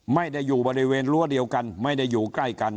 ไม่ได้อยู่บริเวณรั้วเดียวกันไม่ได้อยู่ใกล้กัน